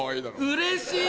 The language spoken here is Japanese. うれしい！